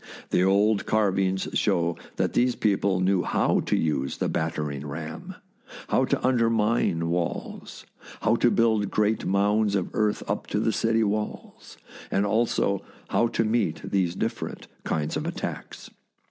The old carvings show that these people knew how to use the battering ram, how to undermine walls, how to build great mounds THE SIEGE OF TROY of earth up to the city walls, and also how to meet these different kinds of attacks.